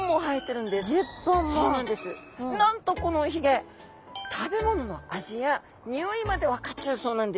なんとこのおヒゲ食べ物の味や匂いまで分かっちゃうそうなんです。